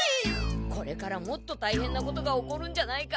これからもっとたいへんなことが起こるんじゃないか？